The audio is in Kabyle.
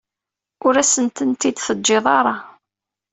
Ur asent-ten-id-teǧǧiḍ ara.